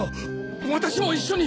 私も一緒に！